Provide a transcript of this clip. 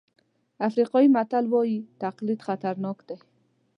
افریقایي متل وایي تقلید خطرناک دی.